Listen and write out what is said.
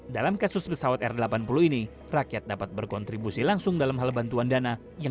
dalam kasus pesawat r delapan puluh ini rakyat dapat berkontribusi langsung dalam hal bantuan dana yang